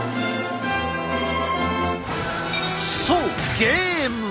そうゲーム。